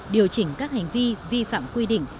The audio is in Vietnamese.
điều chỉnh các hành vi vi phạm quy định